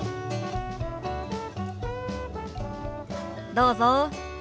どうぞ。